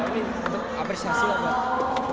ini untuk apresiasi lah buat mereka